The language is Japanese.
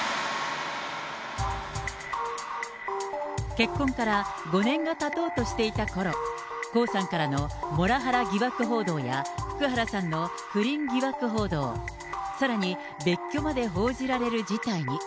結婚から５年がたとうとしていたころ、江さんからのモラハラ疑惑報道や、福原さんの不倫疑惑報道、さらに別居まで報じられる事態に。